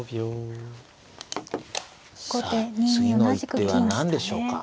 さあ次の一手は何でしょうか。